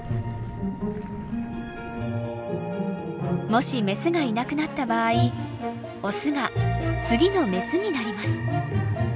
もしメスがいなくなった場合オスが次のメスになります。